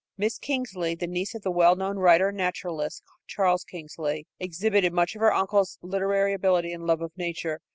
Miss Kingsley the niece of the well known writer and naturalist, Charles Kingsley exhibited much of her uncle's literary ability and love of nature.